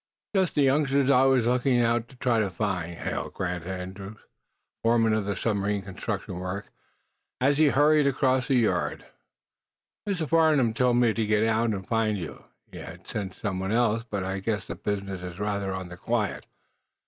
"Just the youngsters I was going out to try to find," hailed Grant Andrews, foreman of the submarine construction work, as he hurried across the yard. "Mr. Farnum told me to get out and find you. He'd have sent some one else, but I guess the business is rather on the quiet."